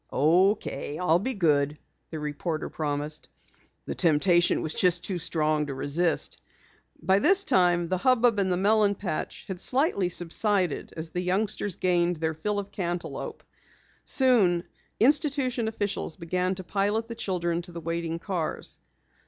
"Okay, I'll be good," the reporter promised. "The temptation was just too strong to resist." By this time, the hubbub in the melon patch had slightly subsided as the youngsters gained their fill of cantaloupe. Soon institution officials began to pilot the children to the waiting cars.